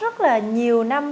rất là nhiều năm